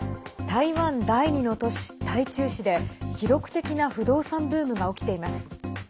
台湾第２の都市・台中市で記録的な不動産ブームが起きています。